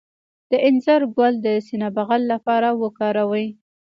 د انځر ګل د سینه بغل لپاره وکاروئ